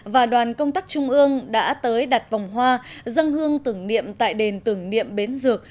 và đoàn công tác trung ương đã tới đặt vòng hoa dân hương tưởng niệm tại đền tưởng niệm bến dược